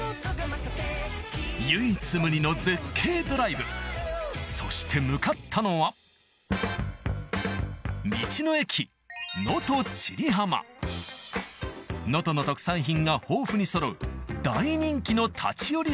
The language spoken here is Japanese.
唯一無二の絶景ドライブそして向かったのは能登の特産品が豊富にそろう大人気の立ち寄り